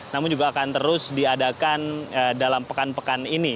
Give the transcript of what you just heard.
namun juga akan terus diadakan dalam pekan pekan ini